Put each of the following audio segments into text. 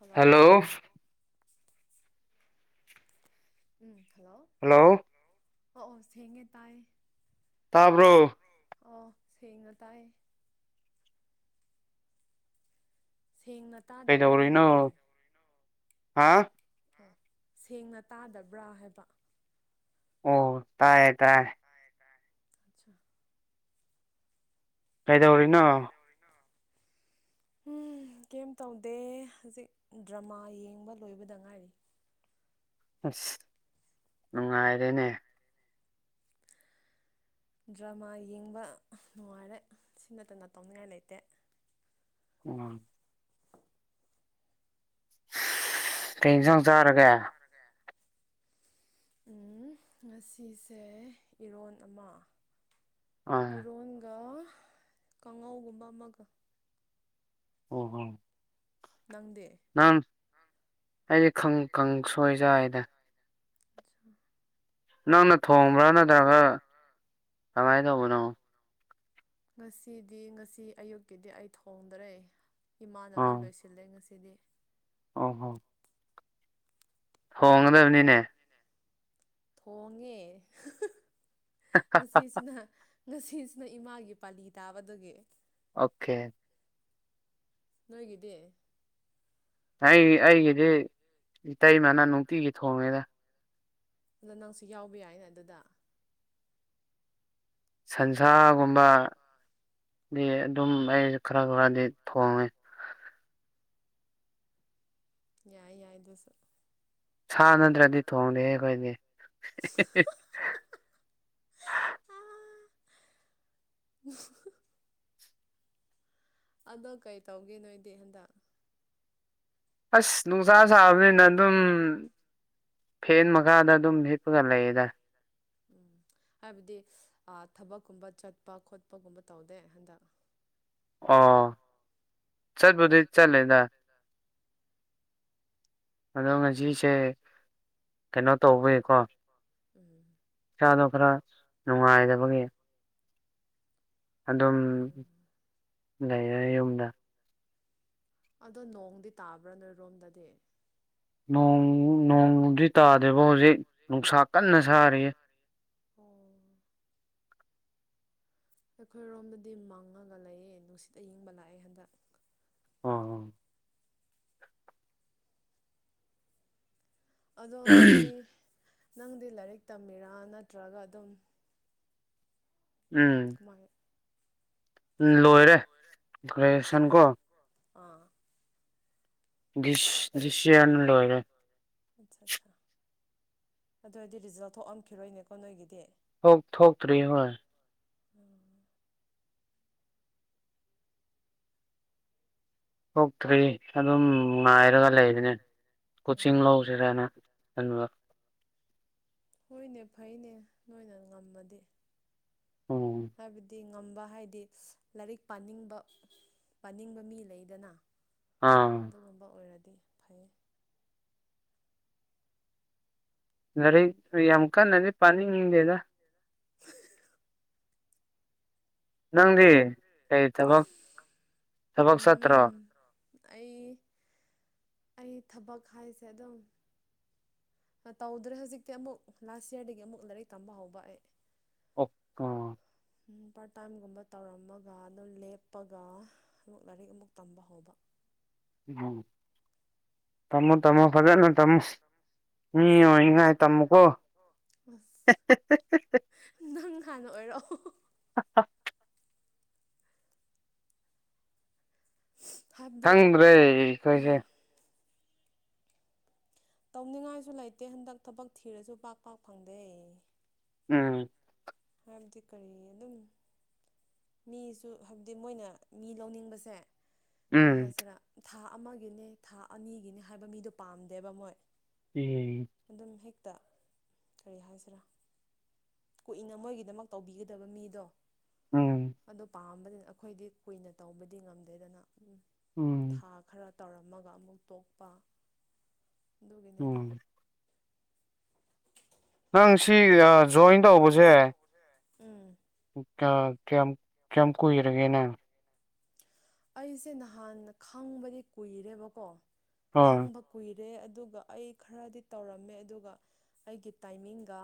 hello hello ꯎꯝ ꯈ hello ꯑꯣꯑꯣ ꯁꯦꯡꯉꯦ ꯇꯥꯏ ꯇꯥꯕ꯭ꯔꯣ ꯑꯣ ꯁꯦꯡꯅ ꯇꯥꯏꯦ ꯁꯦꯡꯅ ꯇꯥꯗꯕ꯭ꯔꯥ ꯅꯪꯒꯤꯗꯤ ꯍꯥꯥ ꯁꯦꯡꯅ ꯇꯥꯗꯕ꯭ꯔꯥ ꯍꯥꯏꯕ ꯑꯣ ꯇꯥꯏꯌꯦ ꯇꯥꯏ ꯑꯆꯥ ꯀꯩꯗꯧꯔꯤꯅꯣ ꯀꯩ ꯇꯧꯗꯦ ꯍꯧꯖꯤꯛ ꯗ꯭ꯔꯃꯥ ꯌꯦꯡꯕ ꯂꯣꯏꯕꯗ ꯉꯥꯏꯔꯤ ꯑꯁ ꯅꯨꯡꯉꯥꯏꯔꯦꯅꯦ ꯗ꯭ꯔꯃꯥ ꯌꯦꯡꯕ ꯅꯨꯡꯉꯥꯏꯔꯦ ꯁꯤ ꯅꯠꯇꯅ ꯇꯧꯅꯤꯡꯉꯥꯏ ꯂꯩꯇꯦ ꯎꯝ ꯇꯤꯟ ꯁ ꯆꯔꯒ ꯎ ꯉꯁꯤꯁꯦ ꯏꯔꯣꯟ ꯑꯃ ꯑꯥ ꯏꯔꯣꯟꯒ ꯀꯥꯡꯉꯧꯒꯨꯝꯕ ꯑꯃꯒ ꯍ ꯍ ꯅꯪꯗꯦ ꯑꯩꯗꯤ ꯈꯪ ꯁꯣꯏꯖꯏꯗ ꯑ ꯅꯪꯅ ꯊꯣꯡꯕ꯭ꯔꯥ ꯅꯠꯇ꯭ꯔꯒ ꯀꯃꯥꯏꯅ ꯇꯧꯕꯅꯣ ꯉꯁꯤꯗꯤ ꯉꯁꯤ ꯑꯌꯨꯛꯀꯤꯗꯤ ꯑꯩ ꯊꯣꯡꯗꯔꯦ ꯏꯃꯥꯅ ꯂꯣꯏ ꯂꯣꯏꯁꯤꯜꯂꯦ ꯉꯁꯤ ꯇꯗꯤ ꯑ ꯍꯣ ꯍꯣꯡ ꯒꯗꯕꯅꯤꯅꯦ ꯊꯣꯡꯉꯦ ꯑꯁꯤꯁꯤꯅ ꯉꯁꯤꯁꯤꯅ ꯏꯃꯥꯒꯤ ꯄꯥꯂꯤ ꯇꯥꯕꯗꯒꯤ ꯑꯣꯀꯦ ꯅꯗꯦ ꯑꯩ ꯑꯩꯒꯤꯗꯤ ꯏꯇꯩꯃꯅ ꯅꯨꯡꯇꯤꯒꯤ ꯊꯣꯡꯉꯦꯗ ꯑꯗ ꯅꯪꯁꯨ ꯌꯥꯎꯕ ꯌꯥꯏꯅꯦ ꯑꯗꯨꯗ ꯁꯟꯁꯥꯒꯨꯝꯕ ꯑꯗꯨ ꯑꯗꯨꯝ ꯑꯩ ꯈꯔ ꯈꯔꯗꯤ ꯊꯣꯡꯉꯦ ꯌꯥꯏ ꯌꯥꯏꯗꯁꯨ ꯍ ꯅꯗ꯭ꯔ ꯗꯤ ꯊꯣꯡꯗꯦ ꯀꯅꯦ ꯎ ꯑꯗꯣ ꯀꯩ ꯇꯧꯒꯦ ꯅꯣꯏꯗꯤ ꯍꯟꯗꯛ ꯑꯁ ꯅꯨꯡꯁꯥ ꯁꯥꯕꯅꯤꯅ ꯑꯗꯨꯝ ꯐꯦꯟ ꯃꯈꯥꯗ ꯑꯗꯨꯝ ꯍꯤꯞꯄꯒ ꯂꯩꯌꯦꯦꯗ ꯎꯝ ꯍꯥꯏꯕꯗꯤ ꯊꯕꯛꯀꯨꯝꯕ ꯆꯠꯄ ꯈꯣꯠꯄꯒꯨꯝꯕ ꯇꯧꯗꯦ ꯍꯟꯗꯛ [unintelligible] ꯑꯣ ꯆꯠꯄꯗꯤ ꯆꯠꯂꯦꯗ ꯑꯗꯣ ꯉꯁꯤꯁꯦ ꯀꯩꯅꯣ ꯇꯧꯕꯒꯤꯀꯣ ꯎꯝ ꯏꯁꯆꯥꯗꯣ ꯈꯔ ꯅꯨꯡꯉꯥꯏꯗꯕꯒꯤ ꯑꯗꯨꯝ ꯎꯝ ꯂꯩꯔꯦ ꯌꯨꯝꯗ ꯑꯗꯣ ꯅꯣꯡꯗꯤ ꯇꯥꯕ꯭ꯔꯥ ꯅꯣꯏꯔꯣꯝꯗꯗꯤ ꯣꯡ ꯅꯣꯡꯃꯗꯤ ꯇꯥꯗꯦꯕ ꯍꯧꯖꯤꯛ ꯅꯨꯡꯁꯥ ꯀꯟꯅ ꯁꯥꯔꯤꯌꯦ ꯑꯣ ꯑꯩꯈꯣꯏꯔꯣꯝꯗꯗꯤ ꯃꯪꯉꯒ ꯂꯩꯌꯦ ꯅꯨꯡꯁꯤꯠ ꯑꯏꯪꯕ ꯂꯥꯛꯑꯦ ꯍꯟꯗꯛ ꯑꯣ ꯑꯗꯣ ꯅꯣꯏ ꯅꯪꯗꯤ ꯂꯥꯏꯔꯤꯛ ꯇꯝꯃꯤꯔꯥ ꯅꯠꯇ꯭ꯔꯒ ꯑꯗꯨꯝ ꯎꯝ ꯀꯃꯥꯏ ꯎ ꯂꯣꯏꯔꯦ ꯒ꯭ꯔꯦꯖꯨꯑꯦꯁꯟ ꯑꯠꯆꯥ ꯀꯣ ꯑꯥ ꯁ ꯗ꯭ꯁꯌꯥꯅ ꯂꯣꯏꯔꯦ ꯑꯠꯆꯥ ꯑꯠꯆꯥ ꯑꯗꯨ ꯑꯣꯏꯔꯗꯤ ꯔꯤꯖꯜ ꯊꯣꯛꯑꯝꯈꯤꯔꯣꯏꯅꯦꯀꯣ ꯅꯣꯏꯒꯤꯗꯤ ꯊꯣꯛ ꯊꯣꯛꯣꯛꯇꯔꯤ ꯍꯣꯏ ꯎꯝ ꯊꯣꯛꯣꯛꯇ꯭ꯔꯤ ꯑꯗꯨꯝ ꯉꯥꯏꯔꯒ ꯂꯩꯕꯅꯦ ꯀꯣꯆꯤꯡ ꯎꯝ ꯂꯧꯁꯤꯔꯅ ꯊꯟꯕ ꯍꯣꯏꯅꯦ ꯐꯩꯅꯦ ꯅꯣꯏꯅ ꯉꯝꯃꯗꯤ ꯎꯝ ꯍꯥꯏꯕꯗꯤ ꯉꯝꯕ ꯍꯥꯏꯗꯤ ꯂꯥꯏꯔꯤꯛ ꯄꯥꯅꯤꯡꯕ ꯄꯥꯅꯤꯡꯕ ꯃꯤ ꯂꯩꯗꯅ ꯑꯥ ꯝꯕ ꯑꯣꯏꯔꯗꯤ ꯐꯩꯌꯦ ꯅꯔꯤ ꯌꯥꯝꯛꯀꯥꯟ ꯅꯗꯤ ꯄꯅꯤꯗꯦꯗ ꯅꯪꯗꯤ ꯀꯔꯤ ꯊꯕꯛ ꯊꯕꯛ ꯆꯠꯇ꯭ꯔꯣ ꯎꯝ ꯑꯩ ꯑꯩ ꯊꯕꯛ ꯍꯥꯏꯁꯦ ꯑꯗꯨꯝ ꯇꯧꯗ꯭ꯔꯦ ꯍꯧꯖꯤꯛꯇꯤ ꯑꯃꯨꯛ ꯂꯥꯁ ꯌꯔꯗꯒꯤ ꯑꯃꯨꯛ ꯂꯥꯏꯔꯤꯛ ꯇꯝꯕ ꯍꯧꯕ ꯑꯩ ꯑꯣꯀꯥ ꯄꯥꯔꯠ ꯇꯥꯏꯝꯒꯨꯝꯕ ꯇꯧꯔꯝꯃꯒ ꯑꯗꯨ ꯂꯦꯞꯄꯒ ꯂꯥꯏꯔꯤꯛ ꯑꯃꯨꯛ ꯇꯝꯕ ꯍꯧꯕ ꯎꯝ ꯊꯝꯃꯣ ꯇꯝꯃꯣ ꯐꯖꯅ ꯇꯝꯃꯣ ꯃꯤ ꯑꯣꯏꯉꯥꯏ ꯇꯝꯃꯨꯀꯣ ꯑꯁ ꯅꯪ ꯍꯥꯟꯅ ꯑꯣꯏꯔꯣ ꯍꯥ ꯍꯥ ꯍꯥꯏꯕꯗꯤ ꯈꯪꯗ꯭ꯔꯦ ꯑꯩꯈꯣꯏꯁꯦ ꯇꯧꯅꯤꯡꯉꯥꯏꯁꯨ ꯂꯩꯇꯦ ꯍꯟꯗꯛ ꯊꯕꯛ ꯊꯤꯔꯁꯨ ꯄꯥꯛ ꯄꯥꯛ ꯐꯪꯗꯦ ꯎꯝ ꯍꯥꯏꯕꯗꯤ ꯀꯔꯤ ꯑꯗꯨꯝ ꯃꯤꯁꯨ ꯍꯥꯏꯕꯗꯤ ꯃꯣꯏꯅ ꯃꯤ ꯂꯧꯅꯤꯡꯕꯁꯦ ꯀꯩ ꯎꯝ ꯍꯥꯏꯁꯤꯔꯥ ꯊꯥ ꯑꯃꯒꯤꯅꯦ ꯊꯥ ꯑꯅꯤꯒꯤꯅꯦ ꯍꯥꯏꯕ ꯃꯤꯗꯣ ꯄꯥꯝꯗꯦꯕ ꯃꯣꯏ ꯎꯝ ꯇꯥ ꯀꯔꯤ ꯍꯥꯏꯁꯤꯔꯥ ꯀꯨꯏꯅ ꯃꯣꯏꯒꯤꯗꯃꯛ ꯇꯧꯕꯤꯒꯗꯕ ꯃꯤꯗꯣ ꯎꯝ ꯑꯗꯨ ꯄꯥꯝꯕꯅꯤꯅ ꯑꯩꯈꯣꯏꯗꯤ ꯀꯨꯏꯅ ꯇꯧꯕꯗꯤ ꯉꯝꯗꯦꯗꯅ ꯎꯝ ꯎꯝ ꯊꯥ ꯈꯔ ꯇꯧꯔꯝꯃꯒ ꯑꯃꯨꯛ ꯇꯣꯛꯄ ꯑꯗꯨꯒꯤꯅꯦꯗ ꯎꯝ ꯅꯪ ꯁꯤ ꯑꯥ ꯖꯣꯏꯟ ꯇꯧꯕꯁꯦ ꯎꯝ ꯀ ꯀꯌꯥꯝ ꯀꯌꯥꯝ ꯀꯨꯏꯔꯒꯦꯅꯦ ꯑꯩꯁꯦ ꯅꯍꯥꯟꯅ ꯈꯪꯕꯗꯤ ꯀꯨꯏꯔꯦꯕꯀꯣ ꯍꯣꯏ ꯈꯪꯕ ꯀꯨꯏ ꯔꯦ ꯑꯗꯨꯒ ꯑꯩ ꯈꯔꯗꯤ ꯇꯧꯔꯝꯃꯦ ꯑꯗꯨꯒ ꯑꯩꯒꯤ ꯇꯥꯏꯃꯤꯡꯒ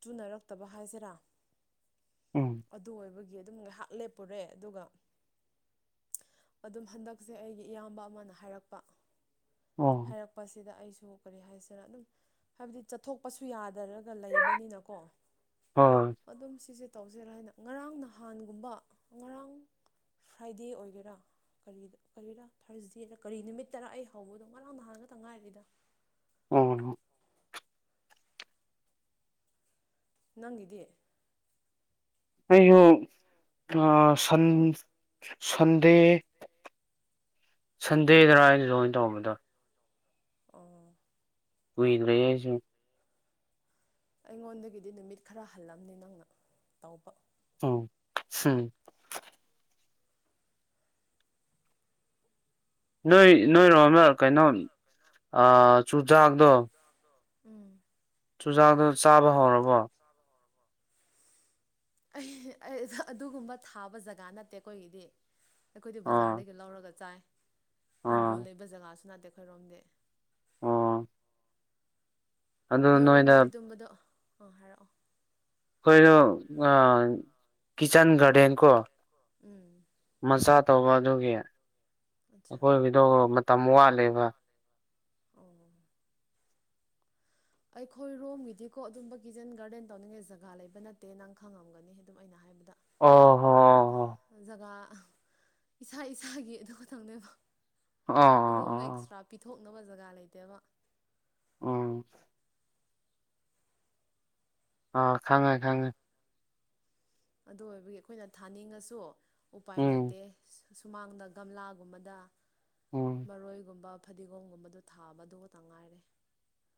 ꯆꯨꯅꯔꯛꯇꯕ ꯍꯥꯏꯁꯤꯔꯥ ꯎꯝ ꯑꯗꯨ ꯑꯣꯏꯕꯒꯤ ꯑꯗꯨꯝ ꯉꯍꯥꯛ ꯂꯦꯞꯄꯨꯔꯦ ꯑꯗꯨꯒ ꯑꯗꯨꯝ ꯍꯟꯗꯛꯁꯦ ꯑꯩꯒꯤ ꯏꯌꯥꯝꯕ ꯑꯃꯅ ꯍꯥꯏꯔꯛꯄ ꯑꯣ ꯍꯥꯏꯔꯛꯄꯁꯤꯗ ꯑꯩꯁꯨ ꯀꯔꯤ ꯍꯥꯏꯁꯤꯔ ꯑꯗꯨꯝ ꯍꯥꯏꯕꯗꯤ ꯆꯠꯊꯣꯛꯄꯁꯨ ꯌꯥꯗꯔꯛ ꯂꯩꯕꯅꯤꯅꯀꯣ ꯍꯣꯏ ꯑꯗꯨꯝ ꯁꯤꯁꯦ ꯇꯧꯖꯦꯔꯥ ꯍꯥꯏꯅ ꯉꯔꯥꯡ ꯅꯍꯥꯟꯒꯨꯝꯕ ꯉꯔꯥꯡ ꯐ꯭ꯔꯥꯏꯗꯦ ꯑꯣꯏꯒꯦꯔꯥ ꯀꯔꯤꯗ ꯀꯔꯤꯔ ꯊꯥꯔꯁꯗꯦꯔ ꯀꯔꯤ ꯅꯨꯃꯤꯠ ꯇꯔꯥ ꯑꯩ ꯍꯧꯕꯗꯣ ꯉꯔꯥꯡ ꯅꯍꯥꯟꯒ ꯇ ꯉꯥꯏꯔꯤꯗ ꯑꯣ ꯅꯪꯒꯤꯗꯤ ꯑꯩꯌꯣ ꯑ ꯁꯟ ꯁꯟꯗꯦ ꯁꯟꯗꯦꯗꯔ ꯑꯩ ꯖꯣꯏꯟ ꯇꯧꯕꯗ ꯑꯣ ꯀꯨꯏꯗ꯭ꯔꯤ ꯑꯦꯖꯨ ꯑꯩꯉꯣꯟꯗꯒꯤꯗꯤ ꯅꯨꯃꯤꯠ ꯈꯔ ꯍꯜꯂꯝꯅꯤ ꯅꯪꯅ ꯇꯥꯎꯕ ꯎꯝ ꯍꯝ ꯅꯣꯏ ꯅꯣꯏꯔꯣꯝꯗ ꯀꯩꯅꯣ ꯑꯥ ꯆꯨꯖꯥꯛꯗꯣ ꯎꯝ ꯆꯨꯖꯥꯛꯗꯣ ꯆꯥꯕ ꯍꯧꯔꯕꯣ ꯑꯩ ꯑꯩ ꯑꯗꯥ ꯑꯗꯨꯒꯨꯝꯕ ꯊꯥꯕ ꯖꯒꯥ ꯅꯠꯇꯦ ꯑꯩꯈꯣꯏꯒꯤꯗꯤ ꯑꯩꯈꯣꯏꯗꯤ ꯑꯥ ꯕꯖꯥꯔꯗꯒꯤ ꯂꯧꯔꯒ ꯆꯥꯏ ꯍꯤꯡꯒꯣꯜ ꯑꯥ ꯂꯩꯕ ꯖꯒꯥꯁꯨ ꯅꯠꯇꯦ ꯑꯩꯈꯣꯏꯔꯣꯝꯗꯤ ꯑꯣ ꯑꯗꯨ ꯅꯣꯏꯗ ꯅꯣꯏꯔꯣꯝꯗꯗꯤ ꯇꯨꯝꯕꯗꯣ ꯑꯥ ꯍꯥꯏꯔꯛꯑꯣ ꯑꯩꯈꯣꯏꯗꯣ ꯑꯥ ꯀꯤꯠꯆꯟ ꯒꯥꯔꯗꯦꯟ ꯀꯣ ꯎꯝ ꯃꯆꯥ ꯇꯧꯕ ꯑꯗꯨꯒꯤ ꯑꯠꯆꯥ ꯑꯀꯣꯏꯕꯤꯗꯣ ꯃꯇꯝ ꯋꯥꯠꯂꯦꯕ ꯑꯩꯈꯣꯏ ꯔꯣꯝꯒꯤꯗꯤꯀꯣ ꯑꯗꯨꯝꯕ ꯀꯤꯖꯟ ꯒꯥꯔꯗꯦꯟ ꯇꯧꯅꯤꯡꯉꯦ ꯖꯒꯥ ꯂꯩꯕ ꯅꯠꯇꯦ ꯅꯪ ꯈꯪꯉꯝꯒꯅꯤ ꯑꯗꯨꯝ ꯑꯩꯅ ꯍꯥꯏꯕꯗ ꯑꯣ ꯍꯣ ꯑ ꯍꯣ ꯑ ꯏꯁꯥ ꯏꯁꯥꯒꯤ ꯑꯗꯨ ꯈꯊꯪꯅꯦꯕ ꯑꯣ ꯑꯣ ꯑꯗꯣꯝꯕ ꯑꯣ ꯑꯦꯛꯁꯇ꯭ꯔꯥ ꯄꯤꯊꯣꯛ ꯈꯪꯅꯕ ꯖꯒꯥ ꯂꯩꯇꯦꯕ ꯎꯝ ꯑꯥ ꯈꯪꯉꯦ ꯈꯪꯉꯦ ꯑꯗꯨ ꯑꯣꯏꯕꯒꯤ ꯑꯩꯈꯣꯏꯅ ꯊꯥꯅꯤꯡꯉꯁꯨ ꯎꯄꯥꯏ ꯎꯝ ꯂꯩꯇꯦ ꯁꯨꯃꯥꯡꯗ ꯒꯝꯂꯥꯒꯨꯝꯕꯗ ꯎꯝ ꯃꯔꯣꯏꯒꯨꯝꯕ ꯐꯗꯤꯒꯣꯝꯒꯨꯝꯕꯗꯣ ꯊꯥꯕꯗꯨ ꯇ ꯉꯥꯏꯔꯦ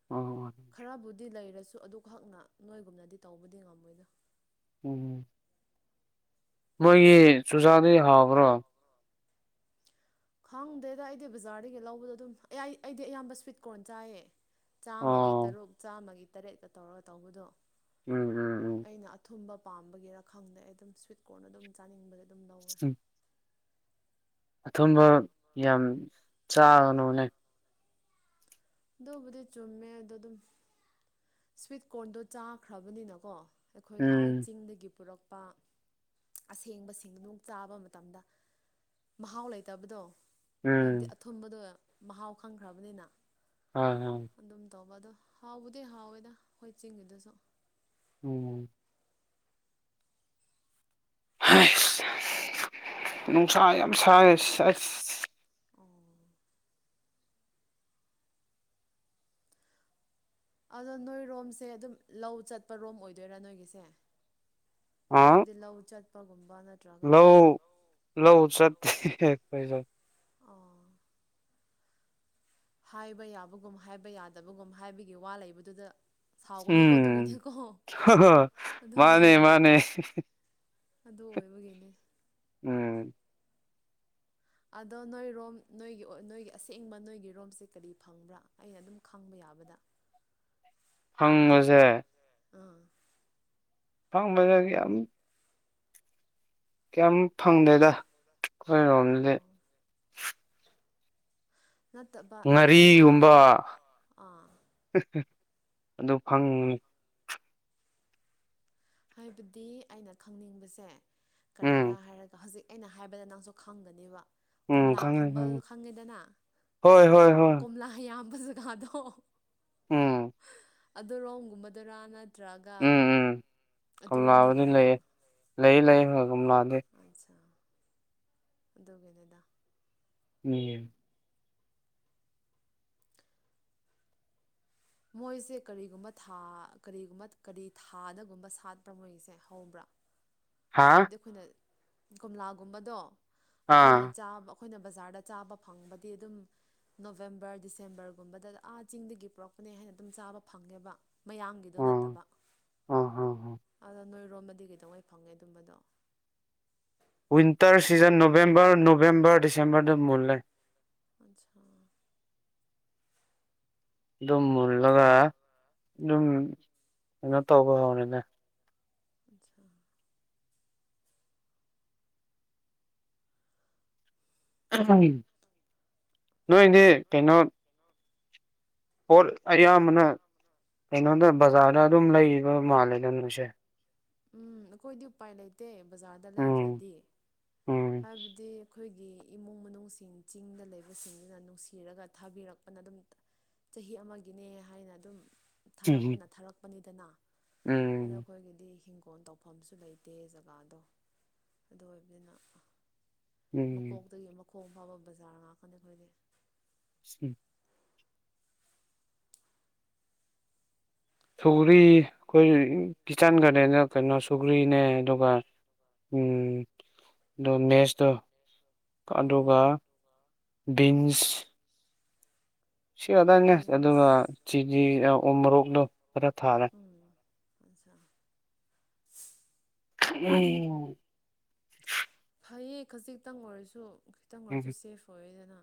ꯑꯣ ꯈꯔꯕꯨꯗꯤ ꯂꯩꯔꯦ ꯑꯗꯨꯨ ꯑꯗꯨꯈꯛꯅ ꯅꯣꯏꯒꯨꯝꯅꯗꯤ ꯇꯧꯕꯗꯤ ꯉꯝꯃꯣꯏꯗꯣ ꯎꯝ ꯃꯣꯏꯒꯤ ꯆꯨꯖꯥꯗꯤ ꯍꯥꯎꯕ꯭ꯔꯣ ꯈꯪꯗꯦꯗ ꯑꯩꯗꯤ ꯕꯖꯥꯔꯗꯒꯤ ꯂꯧꯕꯗꯣ ꯑꯗꯨꯝ ꯑꯩ ꯑꯩꯗꯤ ꯑꯌꯥꯝꯕ ꯁ꯭ꯋꯤꯠ ꯀꯣꯔꯟ ꯆꯥꯏꯌꯦ ꯆꯥꯝꯃꯒꯤ ꯑꯣ ꯇꯔꯨꯛ ꯆꯥꯝꯃꯒꯤ ꯇꯔꯦꯠꯀ ꯇꯧꯔꯒ ꯇꯧꯕꯗꯣ ꯎꯝ ꯎꯝ ꯎꯝ ꯑꯩꯅ ꯑꯊꯨꯝꯕ ꯄꯥꯝꯕꯒꯤꯔ ꯈꯪꯗꯦ ꯑꯗꯨꯝ ꯁ꯭ꯋꯤꯠ ꯀꯣꯔꯅ ꯑꯗꯨꯝ ꯆꯥꯅꯤꯡꯕꯗ ꯑꯗꯨꯝ ꯂꯧꯋꯦ ꯁꯝ ꯑꯊꯨꯝꯕ ꯌꯥꯝ ꯆꯥꯒꯅꯨꯅꯦ ꯑꯗꯨꯕꯨꯗꯤ ꯆꯨꯝꯃꯦ ꯑꯗꯣ ꯑꯗꯨꯝ ꯁ꯭ꯋꯤꯠ ꯀꯣꯔꯟꯗꯣ ꯆꯥꯈ꯭ꯔꯕꯅꯤꯅꯀꯣ ꯑꯩꯈꯣꯏ ꯑꯥ ꯎꯝ ꯆꯤꯡꯗꯒꯤ ꯄꯨꯔꯛ [unintelligible] ꯑꯁꯦꯡꯕ ꯁꯤꯡ ꯅꯨꯡ ꯆꯥꯕ ꯃꯇꯝꯗ ꯃꯍꯥꯎ ꯂꯩꯇꯕꯗꯣ ꯍꯥꯏꯕꯗꯤ ꯎꯝ ꯑꯊꯨꯝꯕꯗꯣ ꯃꯍꯥꯎ ꯈꯪꯈ꯭ꯔꯕꯅꯤꯅ ꯑ ꯍꯝ ꯍꯥꯎꯕꯗꯤ ꯍꯥꯎꯋꯦꯗ ꯑꯩꯈꯣꯏ ꯆꯤꯡꯒꯤꯗꯁꯨ ꯎꯝ ꯑꯁ ꯅꯨꯡꯁꯥ ꯌꯥꯝ ꯁꯥꯥꯏ ꯑꯁ ꯑꯣ ꯑꯗꯣ ꯅꯣꯏꯔꯣꯝꯁꯦ ꯑꯗꯨꯝ ꯂꯧ ꯆꯠꯄꯔꯣꯝ ꯑꯣꯏꯗꯣꯏꯔꯥ ꯅꯣꯏꯒꯤꯁꯦ ꯑ ꯍꯥꯏꯕꯗꯤ ꯂꯧ ꯆꯠꯄꯒꯨꯝ ꯂꯧ ꯂꯧ ꯆꯊ [unintelligible] ꯑꯣ ꯍꯥꯏꯕ ꯌꯥꯕꯒꯨꯝ ꯍꯥꯏꯕ ꯌꯥꯗꯕꯒꯨꯝ ꯍꯥꯏꯕꯒꯤ ꯋꯥ ꯂꯩꯕꯗꯨꯗ ꯁꯥꯎꯒꯅꯨꯀꯣ ꯎꯝ ꯑꯗꯨꯒꯤꯅꯤꯀꯣ ꯑꯗꯨꯒꯤ ꯃꯥꯅꯦ ꯃꯥꯅꯦ ꯑꯗꯨ ꯑꯣꯏꯕꯒꯤꯅꯦ ꯎꯝ ꯑꯗꯣ ꯅꯣꯏꯔꯣꯝ ꯅꯣꯏꯒꯤ ꯅꯣꯏꯒꯤ ꯑꯁꯦꯡꯕ ꯅꯣꯏꯒꯤꯔꯣꯝꯁꯦ ꯀꯔꯤ ꯐꯪꯕ꯭ꯔꯥ ꯑꯩꯅ ꯑꯗꯨꯝ ꯈꯪꯕ ꯌꯥꯏ ꯇꯥꯕꯗ ꯍꯪꯕꯁꯦ ꯑꯥ [unintelligible] ꯌꯥꯝ ꯀꯌꯥꯝ ꯐꯪꯗꯦꯗ ꯑꯩꯈꯣꯏꯔꯣꯝꯗꯤ ꯑꯣ ꯅꯠꯇꯕ ꯂꯩꯗꯅ ꯉꯥꯔꯤꯒꯨꯝꯕ ꯑꯥ ꯑꯗꯨ ꯐꯪꯅꯤ ꯍꯥꯏꯕꯗꯤ ꯑꯩꯅ ꯈꯪꯅꯤꯡꯕꯁꯦ ꯀꯔꯤꯔꯥ ꯎꯝ ꯍꯥꯏꯔꯒ ꯍꯧꯖꯤꯛ ꯑꯩꯅ ꯍꯥꯏꯕꯗ ꯅꯪꯁꯨ ꯈꯪꯒꯅꯦꯕ ꯎꯝ ꯀꯣꯝꯂꯥ ꯈꯪꯉꯦ ꯐꯪꯕ ꯈꯪꯉꯦ ꯈꯪꯉꯦꯗꯅ ꯍꯣꯏ ꯍꯣꯏ ꯍꯣꯏ ꯀꯣꯝꯂꯥ ꯌꯥꯝ ꯖꯒꯥꯗꯣ ꯎꯝ ꯑꯗꯨꯔꯣꯝꯒꯨꯝꯕꯗꯨꯔ ꯅꯠꯇ꯭ꯔꯒ ꯎꯝ ꯎꯝ ꯀꯣꯝꯂꯥꯕꯨꯗꯤ ꯑꯗꯨꯔꯣꯝꯗꯒꯤꯔ ꯅꯪ ꯂꯩꯌꯦ ꯂꯩ ꯂꯩ ꯍꯣꯏ ꯀꯣꯝꯂꯥꯗꯤ ꯑꯆꯥ ꯑꯗꯨꯗꯒꯦ ꯂꯩꯏꯗꯥ ꯃꯤ ꯃꯣꯏꯁꯦ ꯀꯔꯤꯒꯨꯝꯕ ꯊꯥ ꯀꯔꯤꯒꯨꯝꯕ ꯀꯔꯤ ꯊꯥꯗꯒꯨꯝꯕ ꯁꯥꯠꯄ꯭ꯔꯥ ꯃꯣꯏꯁꯦ ꯍꯧꯕ꯭ꯔꯥ [inaudible] ꯍꯥꯏꯕꯗꯤ ꯑꯩꯈꯣꯏꯅ ꯀꯣꯝꯂꯥꯒꯨꯝꯕꯗꯣ ꯑꯩꯈꯣꯏꯅ ꯑꯥ ꯆꯥꯕ ꯑꯩꯈꯣꯏꯅ ꯕꯖꯥꯔꯗ ꯆꯥꯕ ꯐꯪꯕꯗꯤ ꯑꯗꯨꯝ ꯅꯣꯕꯦꯝꯕꯔ ꯗꯤꯁꯦꯝꯕꯔꯒꯨꯝꯕꯗ ꯑꯥ ꯆꯤꯡꯗꯒꯤ ꯄꯨꯔꯛ ꯈꯨꯠꯅꯦ ꯍꯥꯏꯅ ꯑꯗꯨꯝ ꯆꯥꯕ ꯐꯪꯉꯦꯕ ꯃꯌꯥꯝꯒꯤꯗꯣ ꯑꯣ ꯅꯠꯇꯕ ꯑꯣ ꯍꯣ ꯍꯣ ꯑꯗꯣ ꯅꯣꯏꯔꯣꯃꯗꯤ ꯀꯩꯗꯧꯉꯩ ꯐꯪꯒꯦ ꯇꯨꯝꯕꯗꯣ ꯋꯤꯟꯇꯔ ꯁꯤꯖꯟ ꯅꯣꯕꯦꯝꯕꯔ ꯅꯣꯕꯦꯝꯕꯔ ꯗꯤꯁꯦꯝꯕꯔꯗ ꯃꯨꯜꯂꯦ ꯑꯆꯥ ꯑꯗꯨꯝ ꯃꯨꯜꯂꯒ ꯑꯗꯨꯝ ꯀꯩꯅꯣ ꯇꯧꯕ ꯍꯧꯔꯦꯗ ꯑꯆꯥ ꯅꯣꯏꯗꯤ ꯀꯩꯅꯣ ꯄꯣꯠ ꯑꯌꯥꯝꯕꯅ ꯀꯩꯅꯣꯗ ꯕꯖꯥꯔꯗ ꯑꯗꯨꯝ ꯂꯩꯕ ꯃꯥꯜꯂꯦꯗ ꯅꯪꯁꯦ ꯎꯝ ꯑꯈꯣꯏꯗꯤ ꯎꯄꯥꯏ ꯂꯩꯇꯦ ꯕꯖꯥꯔꯗ ꯎꯝ ꯂꯩꯗ꯭ꯔꯗꯤ ꯎꯝ ꯍꯥꯏꯕꯗꯤ ꯑꯩꯈꯣꯏꯒꯤ ꯏꯃꯨꯡ ꯃꯅꯨꯡꯁꯤꯡ ꯆꯤꯡꯗ ꯂꯩꯕꯁꯤꯡꯗꯨꯅ ꯅꯨꯡꯁꯤ ꯁꯤꯔꯒ ꯊꯥꯕꯤꯔꯛꯄꯅ ꯑꯗꯨꯝ ꯆꯍꯤ ꯑꯃꯒꯤꯅꯦ ꯍꯥꯏꯅ ꯑꯗꯨꯝ ꯊꯥꯔꯛꯄꯅ ꯊꯥꯔꯛꯄꯅꯤꯗꯅ ꯑꯗꯣ ꯎꯝ ꯑꯩꯈꯣꯏꯒꯤꯗꯤ ꯐꯣꯟ ꯇꯧꯐꯝꯁꯨ ꯂꯩꯇꯦ ꯖꯒꯥꯗꯣ ꯑꯗꯨ ꯑꯣꯏꯕꯅꯤꯅ ꯎꯝ ꯃꯀꯣꯛꯇꯒꯤ ꯃꯈꯣꯡ ꯐꯥꯕ ꯕꯖꯥꯔ ꯉꯥꯛꯀꯅꯤ ꯑꯩꯈꯣꯏꯗꯤ [unintelligible] ꯁꯧꯒ꯭ꯔꯤ ꯑꯩꯈꯣꯏ ꯀꯤꯆꯥꯟ ꯒꯥꯔꯗꯦꯟꯗ ꯀꯩꯅꯣ ꯁꯨꯒ꯭ꯔꯤꯅꯦ ꯑꯗꯨꯒ ꯎꯝ ꯗꯣ ꯃꯦꯁꯇꯣ ꯑꯗꯨꯒ ꯑꯥ ꯕꯤꯟꯁ ꯁꯤ ꯈꯛꯇꯅꯦ ꯕꯤꯟꯁ ꯑꯗꯨꯒ ꯆꯤꯅꯤ ꯑ ꯎ ꯃꯣꯔꯣꯛꯗꯣ ꯈꯔꯥ ꯊꯥꯔꯦ ꯎꯝ ꯑꯠꯆꯥ [unintelligible] ꯐꯩꯌꯦ ꯈꯖꯤꯛꯇꯪ ꯑꯣꯏꯔꯁꯨ ꯈꯤꯇꯪ ꯑꯣꯏꯔꯁꯨ ꯁꯦꯐ ꯑꯣꯏꯔꯦꯗꯅ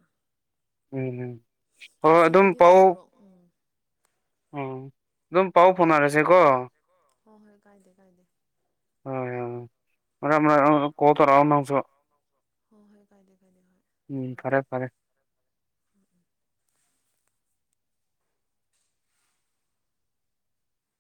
ꯎꯝ ꯎꯝ ꯍꯣꯏ ꯑꯗꯨꯝ ꯑꯁꯤꯗꯗꯤ ꯄꯥꯎ ꯎꯃꯣꯔꯣꯛ ꯎꯝ ꯎꯝ ꯑꯗꯨꯝ ꯄꯥꯎ ꯐꯥꯎꯅꯔꯁꯦꯀꯣ ꯍꯣꯏ ꯍꯣꯏ ꯀꯥꯏꯗꯦ ꯀꯥꯏꯗꯦ [unintelligible] ꯍꯣꯏ ꯍꯣꯏ ꯀꯥꯏꯗꯦ ꯀꯥꯏꯗꯦ ꯍꯣꯏ ꯎꯝ ꯇꯧꯔꯛꯀꯦ ꯐꯔꯦ ꯐꯔꯦ ꯎꯝ ꯎꯝ